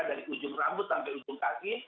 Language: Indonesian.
dari ujung rambut sampai ujung kaki